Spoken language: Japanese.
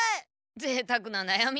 ぜいたくななやみ。